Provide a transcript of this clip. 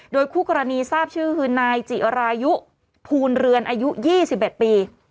โดยคู่กรณีทราบชื่อคือนายจิรายุภูลเรือนอายุ๒๑ปี